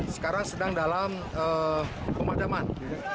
sekarang sedang dalam pemadaman